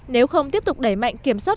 nếu không tiếp tục đẩy mạnh kiểm soát